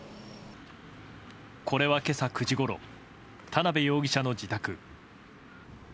これは今朝９時ごろ田辺容疑者の自宅。